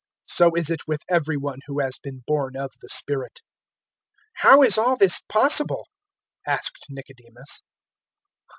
So is it with every one who has been born of the Spirit." 003:009 "How is all this possible?" asked Nicodemus.